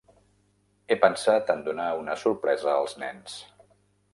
He pensat en donar una sorpresa als nens.